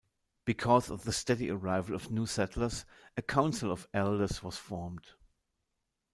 Because of the steady arrival of new settlers, a council of elders was formed.